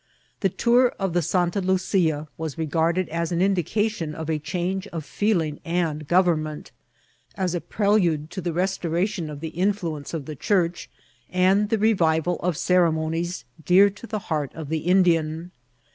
The tour of the Santa Luoia was regarded as ▲ MODSKNBONADSA. S$ an indication of a change of feeling and government ; as a prelude to the restoration of the influence of the church and the revival of ceremonies dear to the heart of the Indian.